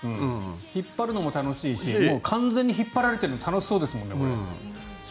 引っ張るのも楽しいし完全に引っ張られているのも楽しそうですもんね、これ。